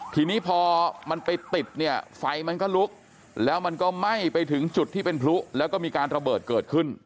ทีนี้พอมันไปติดเนี่ยไฟมันก็ลุกแล้วมันก็ไหม้ไปถึงจุดที่เป็นพลุแล้วก็มีการระเบิดเกิดขึ้น